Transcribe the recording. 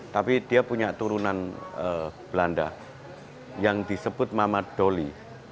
tapi dia punya turunan belanda yang disebut mamad doli